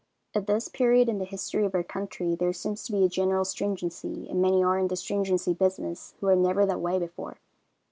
At this period in the history of our country, there seems to be a general stringency, and many are in the stringency business who were never that way before.